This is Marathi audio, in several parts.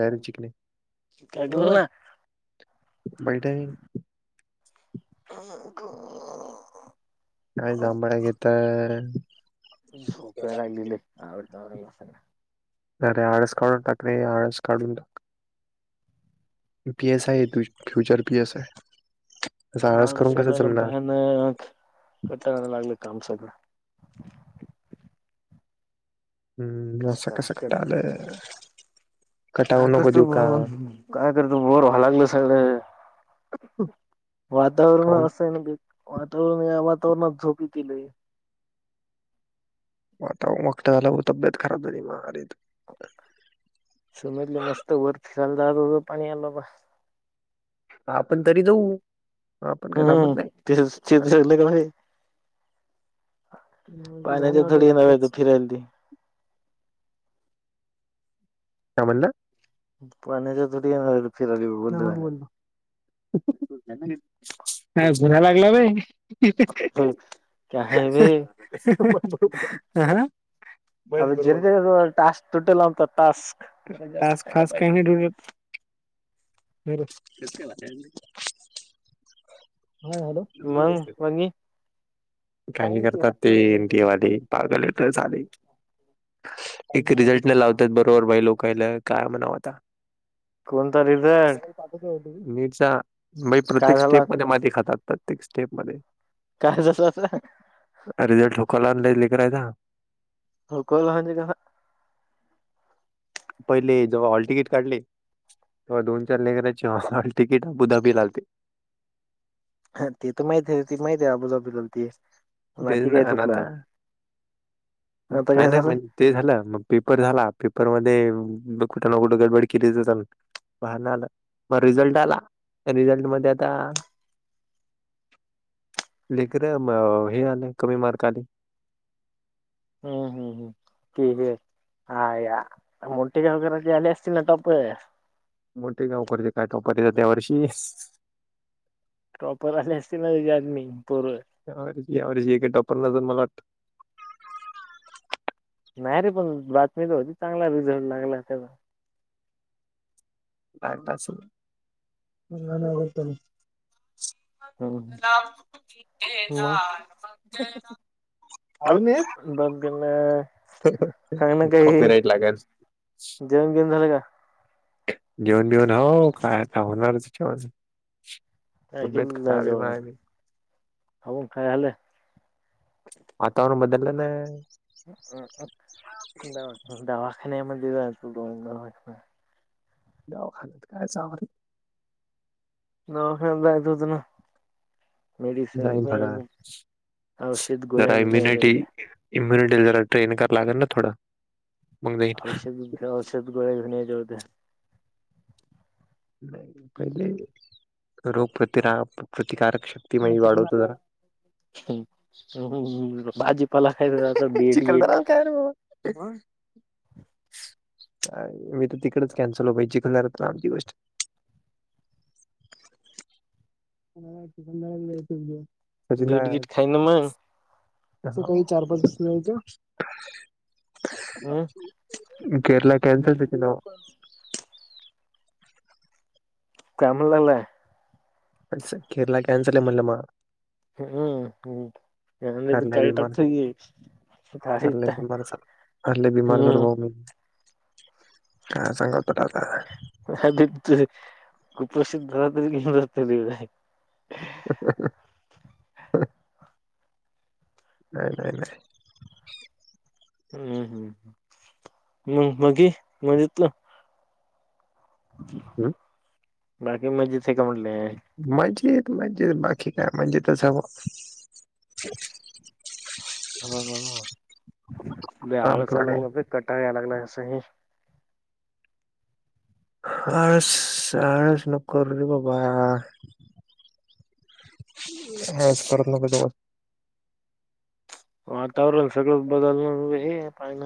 काय रे चीकणी [unintelligible] ग काय जांभळ्या देताय. झोप यायला लागली लय [unintelligible] अरे आळस काढून टाक आळस काढून टाक. पी एस आय तु फ्युचर पी एस आय असा आळस करून कसा जमणार. नाही [unintelligible] लागलं काम सगळं हम्म सक सकट आले. काय करतो ब काय करतो बोर व्हायला लागलं सगळं वातावरण असं आहे ना वातावरण या वातावरणात झोप येती लय. वाता मक्त झाला तब्येत खराब झाली म अर. सुमतले मस्त वर फिरायला दार पाणी आलं आपण तरी जाऊ आपण काय थांबत नाही. तेच तेच झालं की नाही. पाण्याच्या थोडी नव्हे फिरायला त काय बोलला. पण्याच्या थोडी येणारे. नाही कोण बोलल [unintelligible] हा बोला लागला होय. ह हं. अ जनते टास्क तुटल टास्क. खास खास काही [unintelligible] [unintelligible] हा हॅलो! म मग मम्मी. काही करतात ते एनटीए वाले पाले तर झाले. एक रिझल्ट नाही लावतात बरोबर भाई लोकला काय म्हणावता. कोणतारे. नीट म्हज प्रत्येक स्टेप मध्ये माती खातात प्रत्येक स्टेप मध्ये. काय जस रिझल्ट ठोकवला नाही ले करायचा. होकलाहणज का? पहिले जव हॉल तिकीट काढली. हा दो चार लेकराची तिकीट अबुदपी लावते. ते तर माहित आहे ती माहती आहे अबुधाबीते बाकी काय चुकल. पहि नाही म्हण ते झालं, मग पेपर झाला, पेपरमध्ये कुठं ना कुठं गडबड केली जात. पहान आलं मग रिझल्ट आला रिझल्ट मध्ये आता. लेकरं हे आलं कमी मार्क आली. हम्म हम् हम् ठीक आहे. अया मोटिक वगैरले असतील ना टप मोठे गाव करते काय टोपचा त्या वर्षी. टॉपर आले असतील ना त्या आदमी पर् या यावर्षी हे काय टॉपर नजर मला वाटते. नाही रे पण बातमी तर होती चांगला रिझल्ट लागला त्याचा. काल पासून. [inaudible] [unintelligible] कॉपी रेट लागायचं जेऊ गेम झाले का? घेऊन भिऊन नाव [unintelligible] तब्येत खराब आहे माझी. फगून खाय हले. वातावरण बदलले ना. दवाखान्यामध्ये जाचो दोन दवाख. दवा खालत काय चवर. दवाखान्यात जायचं होतं ना. मेड म औषध गोळे्या गुणी आहे. इम्युनिटी जरा ट्रेन क लागे ना थोडा. औषध औषध गोळ्या घुन यायच्या होत्या. पहिले रोग प्रतिरा प्रतिकारक शक्ती माज वाढवतो जरा. हम भाजीपाला खायचं जरा. चिकन दराल काय र बा. मी तर तिकडेच कॅन्सल हो पाहि जि खलणारात आणखी गोष्ट. [unintelligible] असं काही चार पाच वाजता जायचं. केरला केनसेत किलो. काम लागलाय. अच्छा केरला कॅनसल आहे म्हणलं मला. ह ह हू [unintelligible] काय [unintelligible] हरल्या बीमार सा हरल्या बीमार भर [unintelligible] काय सांगाव [unintelligible] [unintelligible] खूप प्रसिद्ध [unintelligible] नाय नाय नाय. हम्म हम् हू मंग बाकी [unintelligible] हम्. बाकी मजेत हे का म्हणलं? मजेत मजेत बाकी काय मजेतच हाय बा [unintelligible] लय आळस याय लागलाय रे कटाळ येणार असं हे आळस आळस नको रे बाबा हॅज करत नको जाऊ वातावरण सगळं बदललं रे पाहिन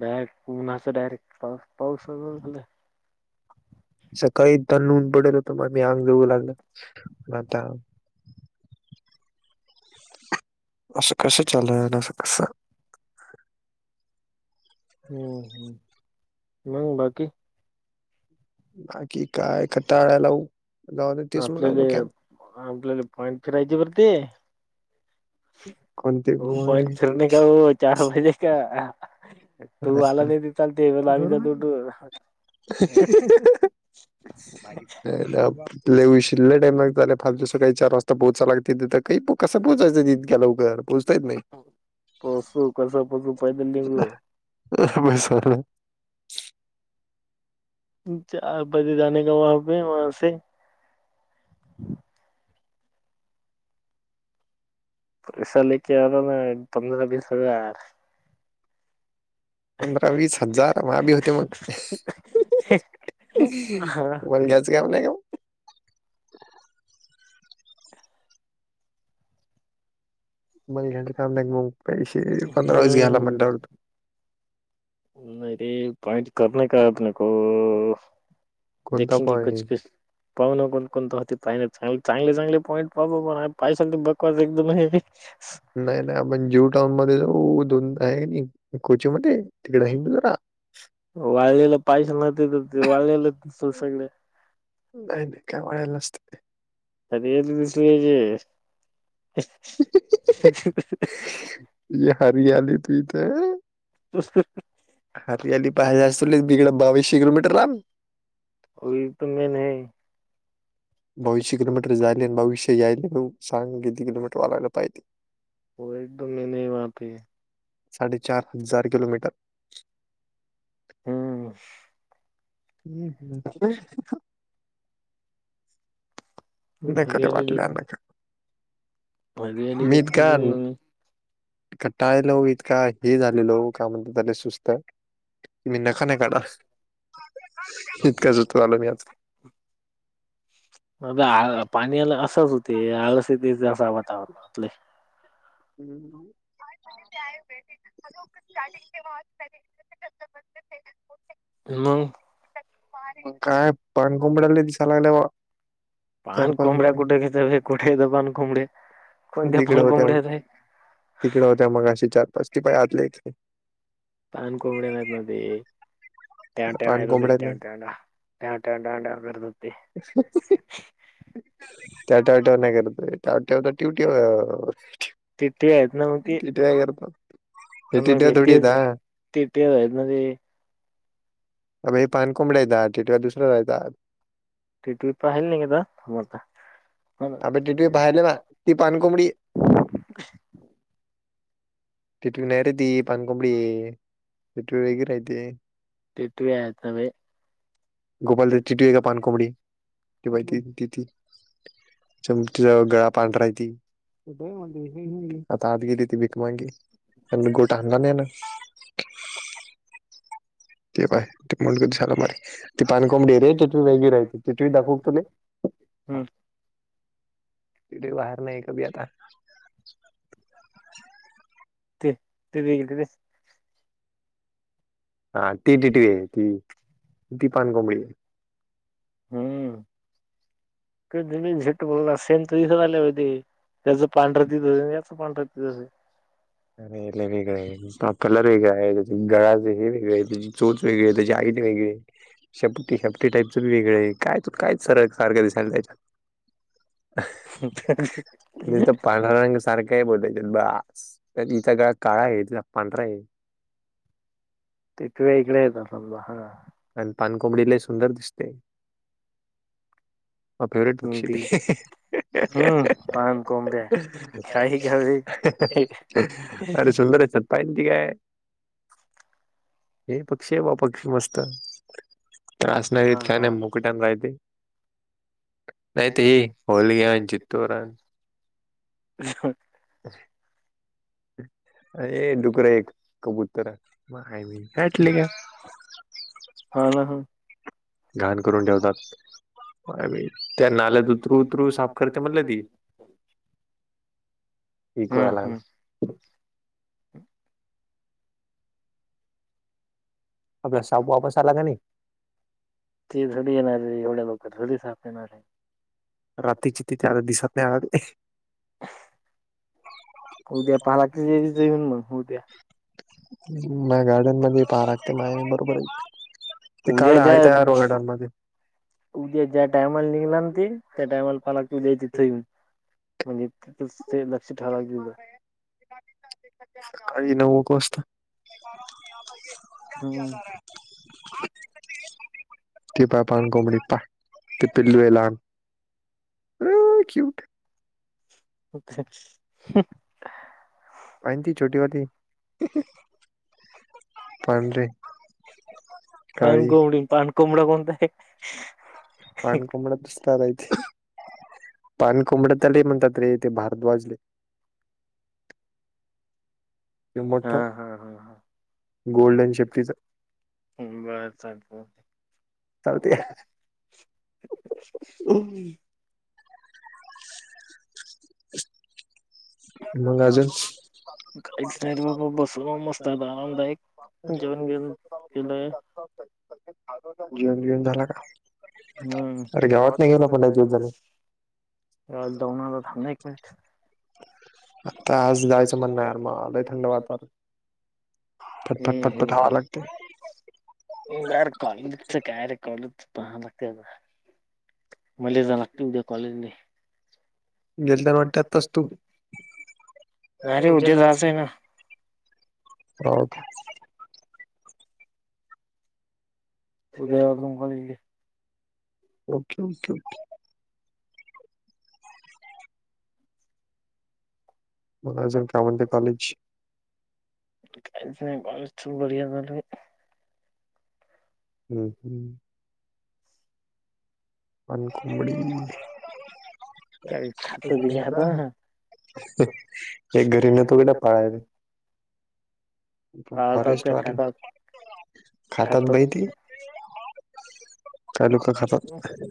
डारेक्ट पुनाच डारेक् पाऊस पाऊस [unintelligible] सकाळी तन नून पडल होत मग मी अंग जाऊ लागलं म आता असं कसं चालन असं कसं हम्म हू मंग बाकी? बाकी काय खटाळ आला उ आपल्याले आपल्याला पॉइंट फिरायचे पर ते ओ पॉईंट फिरू नका ओ चार [unintelligible] तू आला नाही ते चालते पण आम्ही जातो [unintelligible] [unintelligible] लय उशिल टाईम [unintelligible] झाले फालतू सकाळी चार वाजता पोहोचायला लागते तिथे काही पू कस पोचायचं तितक्या लवकर पोहोचता येत नाई पासू कस पस पायदल निगू [unintelligible] चार बजे जाने का वहा पे वहा से पैसा लेके आना ना पंधरा बीस हजार पंधरा, वीस हजार मा बी होते मग [unintelligible] काम [unintelligible] [unintelligible] काम नाही मंग पैसे पंधरा, वीस घ्याला म्हणल्यावर नई रे पाइंट करने का आपने को देखेंगे कुछ कुछ पाहू ना कोणकोणत होते [unintelligible] चांगले चांगले चांगले पॉईंट पाह बाबा [unintelligible] ते बकवास एकदम हे हे [unintelligible] नाही नाही आपण ज्यू टाऊन मध्ये जाऊ, दोन आहे [unintelligible] कोची मध्ये तिकडे हाईत बरका वाळलेल पाहीजे ना ते [unintelligible] वाळलेलं सु सगळ नाही नाही काय वाळलेल नसते ते अरे येत दिसले [unintelligible] ये हरियाली [unintelligible] [unintelligible] हरियाली पाहाय असल एक तिकडं बावीशे किलोमीटर लांब वोई तो मेन है बावीशे किलोमीटर जायले आणि बावीशे यायले, सांग किती किलोमीटर [unintelligible] पाहिजे. वो एकदम मेन है वहा पे साडेचार हजार किलोमीटर हम्म. हम्म हू [unintelligible] बेकार वाटल्या न का मी इतका [unintelligible] कंटाळा आला ओ इतका हे झालेलो काय म्हणतात त्याला सुस्त मी नख नाही काढणार. [unintelligible] इतका सुस्त झालो मी आज म आ पाणीला असंच होते आळस असं जरास वातावरणतले हम्म [inaudible] [inaudible] मंग म काय पाणकोंबड्या लई दिसाय लागल्या बा पाणकोंबड्या कुठ दिसतात बे कुठे येत पाणकोंबडे तिकड होत्या तिकड होत्या मघाशी चार पाच ते पाही आतल्या इथे पाणकोंबड्या नाहीत बाबा ते [unintelligible] टॅव टॅव टॅव टॅव करतात [unintelligible] टॅवटॅव नाही करत ते टॅव टॅव टीवटीव अह तेते आहेते न मग ते ते काय करतात पण मग तेच टीवटीव आहेत ना ते अबे हे पान कोंड्या येतात टिटव्या दुसऱ्या राहतात टिटवी पाहिली ना एकदा मोठा अबे टिटवी पहिली ना ती पानकोंबडी आहे [inaudible] टिटवी नाही रे ती पाणकोंबडी आहे टिटवी वेगळी रायते टिटवी आहेत ना बे गोपाल ते चिटू आहे का पाणकोंबडी ती बाय ती ती ती चमटी जवळ गळा पांढरा हाय ती [unintelligible] आता आत गेली ती भीकमंगी गोट आणला नई ना [inaudible] ते पाय ते [unintelligible] ती पाणकोंबडी आहे रे टिटवी वेगळी रायते टिटवी दाखुका तुले? हम्म. इकडे बाहेर नाही कभी आता ते ते दे इथे दे. हा ती टिटवी आहे ती, ती पाणकोंबडी आहे. हम्म. [unintelligible] त्याचं पांढर दिसते याचं पांढर दिसते अरे लई वेगळं आहे हा कलर वेगळा आहे त्या गळा वेगळे वेगळे, त्याची चोच वेगळी आहे, त्याची हाईट वेगळीए शेपटी शेपटी टाईपच बी वेगळ काय तू काय चर सारखं दिसायला त्याच्यात [unintelligible] ह रंग सारखा हे बघ त्याच्यात बास हिचा गळा काळा आहे तिचा पांढरा आहे टिटव्या इकडे येतात समजा हा पण पानकोंबडी लई सुंदर दिसते. माझा फेवरेट पक्षी हाय ते. [inaudible] अरे सुंदर हे चल पाहिन ते काय ये हे पक्षी आहे बा पक्षी मस्त त्रास नाही देत काय नाही मुकाट्याने रायते रायते ये [unintelligible] झ [inaudible] ये डुकरे कबुतर [unintelligible] हा ना हा. घाण करून ठेवतात. त्या नाल्यात उतरू उतरू साफ करते म्हणलं ती ऐकु या लागला. [inaudible] आपला सापू वापस आला का नाही? ती झडी येणारे एवढ्या लवकर [unintelligible] साफ येणार आहे. रात्रीची ति चार दिसातन आगते. उद्या पाला येऊन मग उद्या माया गार्डन मध्ये पहा लागते माय बरोबर. उद्या ज्या उद्या ज्या टायमाला निघलान ते त्या टायमाला पाहायला लागते तिथे येऊन म्हणजे ते लक्ष ठेवा लागते तिथ. [unintelligible] [inaudible] ती पहा पाणकोंबडी पहा ते पिल्लू हे लहान अ क्यूट ये. [unintelligible] आणि ती छोटी वाली - पांढरी - पाणकोंबडी, पाणकोंबडा कोणता आहे? पानकोंबडा [unintelligible] पाणकोंबड्या त्याले म्हणतात रे ते भारद्वाजले- मोठ गोल्डन शेफ्टीच- बस अ चालतंय. मग अजून - काहीच नाही र बाबा बसलो मस्त आता आरामदायक. बिकुल [unintelligible] हम [unintelligible] तू तर आ जाऊन आलो थांब ह एक मिनिट. आता आज जायचं म्हणण यार लई थंड वातावरण. फटपट हवा लागते. बर कॉलेज च काय रे. कॉलेज च [unintelligible] मले जायला लागत दे कॉलेजले गेल्या वाटत्यातस तू- नाही रे उद्या जायचं आहे ना. अ बघुया अजून कोण [unintelligible] ओके ओकेओके. मग अजून काय म्हणते कॉलेज. काहीच नाही. कॉलेज [unintelligible] हम्म हम् पानकोंबडी [unintelligible] एक घरी न तो कडे पाळायला- फॉरेस्ट वाले खातात भाई ती. काही लोक खातात.